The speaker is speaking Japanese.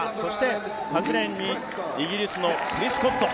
８レーンのイギリスのプリスゴッド。